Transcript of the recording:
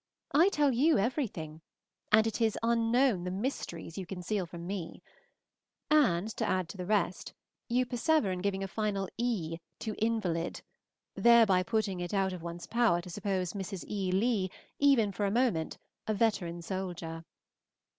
I tell you everything, and it is unknown the mysteries you conceal from me; and, to add to the rest, you persevere in giving a final "e" to "invalid," thereby putting it out of one's power to suppose Mrs. E. Leigh, even for a moment, a veteran soldier.